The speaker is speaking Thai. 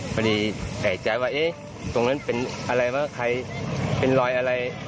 พอดีแปลกใจว่าเอ๊ะตรงนั้นเป็นอะไรวะใครเป็นรอยอะไร